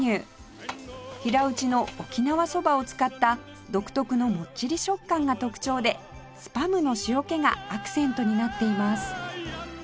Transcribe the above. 平打ちの沖縄そばを使った独特のモッチリ食感が特徴でスパムの塩気がアクセントになっています